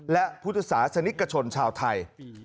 และพุทธศาสนิกชนชาวไทย